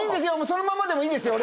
そのままでもいいんですよ。